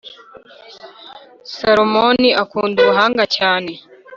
Salomoni akunda Ubuhanga cyane